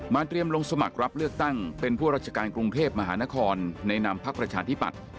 เตรียมลงสมัครรับเลือกตั้งเป็นผู้ราชการกรุงเทพมหานครในนามพักประชาธิปัตย์